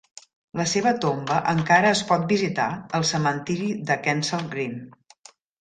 La seva tomba encara es pot visitar al cementiri de Kensal Green.